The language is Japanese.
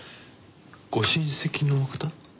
ご親戚の方？